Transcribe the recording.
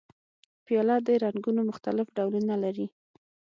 پیاله د رنګونو مختلف ډولونه لري.